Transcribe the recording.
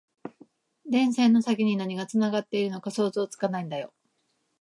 電線の先に何がつながっているのか想像つかないんだよ